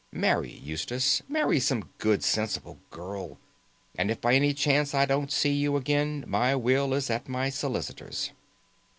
Marry, Eustace. Marry some good, sensible girl. And if by any chance I don't see you again, my will is at my solicitor's.